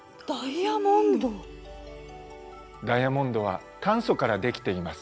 ダイヤモンドは炭素からできています。